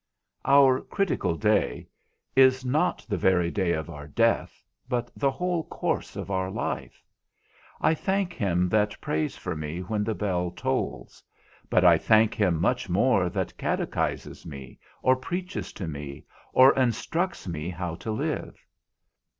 Our critical day is not the very day of our death, but the whole course of our life. I thank him that prays for me when the bell tolls, but I thank him much more that catechises me, or preaches to me, or instructs me how to live.